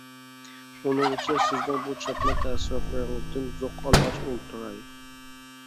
ئۇنىڭغىچە سىزنىڭ بۇ چاتما تەسىراتلىرىڭىزدىن زوق ئالغاچ ئولتۇراي.